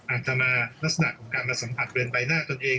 อาจจะมาลักษณะของการมาสัมผัสบริเวณใบหน้าตนเอง